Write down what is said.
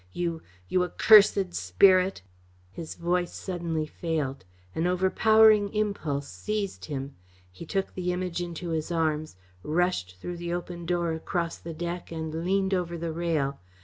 "You you accursed spirit!" His voice suddenly failed. An overpowering impulse seized him. He took the Image into his arms, rushed through the open door across the deck, and leaned over the rail.